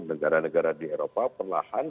negara negara di eropa perlahan